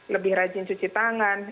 lebih rajin cuci tangan